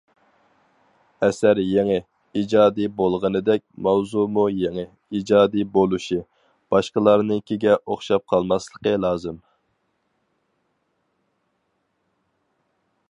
ئەسەر يېڭى، ئىجادىي بولغىنىدەك، ماۋزۇمۇ يېڭى، ئىجادىي بولۇشى، باشقىلارنىڭكىگە ئوخشاپ قالماسلىقى لازىم.